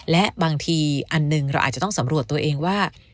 และบางทีอันหนึ่งเราอาจจะต้องสำรวจตัวเองว่า